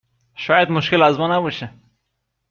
شاید مشکل از ما نباشه